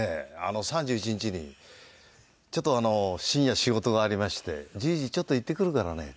３１日にちょっと深夜仕事がありまして「じいじちょっと行ってくるからね」。